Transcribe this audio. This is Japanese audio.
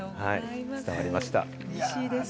伝わりました。